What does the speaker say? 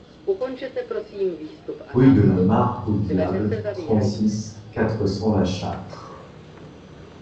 Rue de la Mare au Diable, trente-six, quatre cents La Châtre